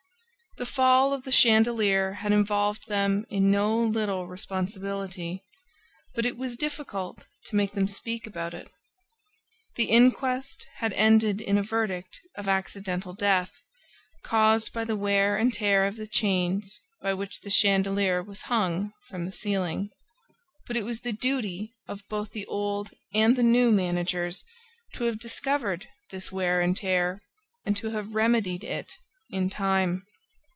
The fall of the chandelier had involved them in no little responsibility; but it was difficult to make them speak about it. The inquest had ended in a verdict of accidental death, caused by the wear and tear of the chains by which the chandelier was hung from the ceiling; but it was the duty of both the old and the new managers to have discovered this wear and tear and to have remedied it in time.